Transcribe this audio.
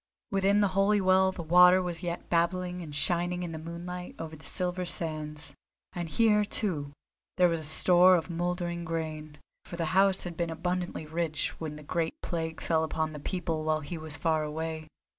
Within the holy well the water was yet babbling and shining in the moonlight over the silver sands; and here, too, there was store of mouldering grain, for the house had been abundantly rich when the great plague fell upon the people while he was far away.